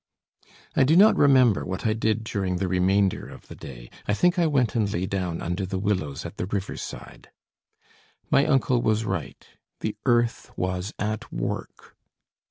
I do not remember what I did during the remainder of the day. I think I went and lay down under the willows at the riverside. My uncle was right, the earth was at work.